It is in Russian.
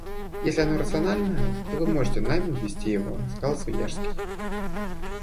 Если оно рационально, то вы можете наймом вести его, — сказал Свияжский.